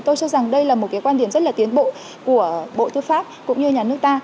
tôi cho rằng đây là một cái quan điểm rất là tiến bộ của bộ tư pháp cũng như nhà nước ta